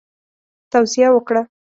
توصیه وکړه.